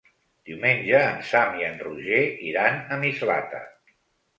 Diumenge en Sam i en Roger iran a Mislata.